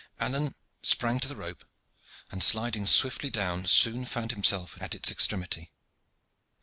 Alleyne sprang to the rope, and sliding swiftly down, soon found himself at its extremity.